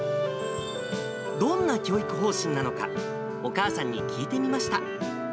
どんな教育方針なのか、お母さんに聞いてみました。